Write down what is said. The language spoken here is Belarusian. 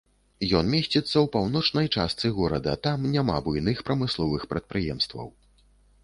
Ён месціцца ў паўночнай частцы горада, там няма буйных прамысловых прадпрыемстваў.